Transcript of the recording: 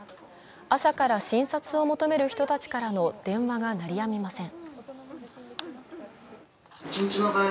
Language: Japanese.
朝から診察を求める人たちからの電話が鳴りやみません。